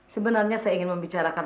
sebenarnya saya ingin membicarakan